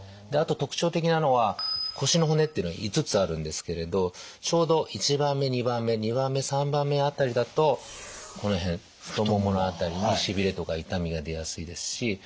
であと特徴的なのは腰の骨っていうのは５つあるんですけれどちょうど１番目２番目２番目３番目辺りだとこの辺太ももの辺りにしびれとか痛みが出やすいですし。